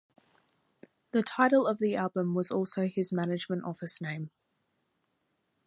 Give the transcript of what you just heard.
The title of the album was also his management office name.